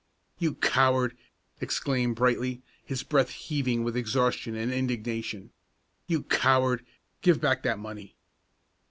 "You coward!" exclaimed Brightly, his breast heaving with exhaustion and indignation. "You coward, give back that money!"